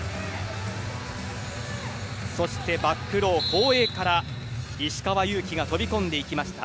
そしてバックロー、後衛から石川祐希が飛び込んでいきました。